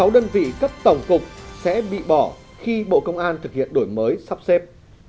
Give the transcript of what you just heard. sáu đơn vị cấp tổng cục sẽ bị bỏ khi bộ công an thực hiện đổi mới sắp xếp